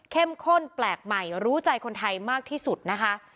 ข้นแปลกใหม่รู้ใจคนไทยมากที่สุดนะคะ